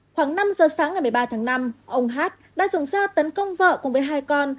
khoảng năm giờ sáng ngày một mươi ba tháng năm ông hát đã dùng dao tấn công vợ cùng với hai con